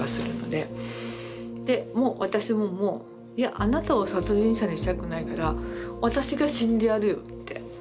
でもう私ももういやあなたを殺人者にしたくないから私が死んでやるよって。